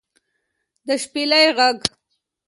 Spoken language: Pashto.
د شپېلۍ غږ